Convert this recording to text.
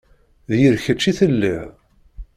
D yir kečč i telliḍ.